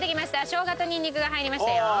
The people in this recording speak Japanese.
しょうがとニンニクが入りましたよ。